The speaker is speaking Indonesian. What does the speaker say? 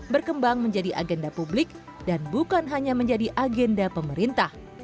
berkembang menjadi agenda publik dan bukan hanya menjadi agenda pemerintah